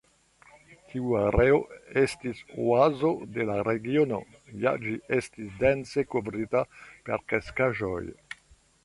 Tiu areo estis oazo de la regiono, ja ĝi estis dense kovrita per kreskaĵoj.